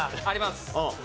あります。